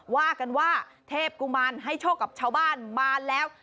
ว่ากันว่าเทพกุมารให้โชคกับชาวบ้านมาแล้ว